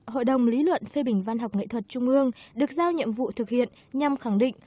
hội đồng lý luận phê bình văn học nghệ thuật trung ương được giao nhiệm vụ thực hiện nhằm khẳng định